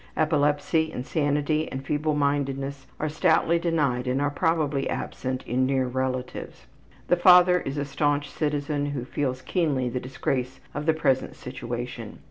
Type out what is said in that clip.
Epilepsy, insanity, and feeblemindedness are stoutly denied and are probably absent in near relatives. The father is a staunch citizen who feels keenly the disgrace of the present situation.